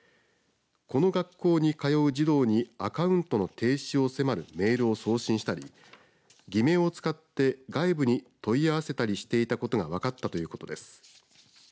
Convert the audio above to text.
この学校に通う児童にアカウントの停止を迫るメールを送信したり偽名を使って外部に問い合わせたりしていたことが分かったということです。